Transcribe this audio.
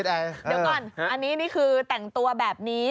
เดี๋ยวก่อนอันนี้นี่คือแต่งตัวแบบนี้